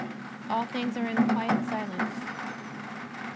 All things are in quiet silence.